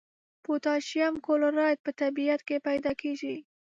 پوتاشیم کلورایډ په طبیعت کې پیداکیږي.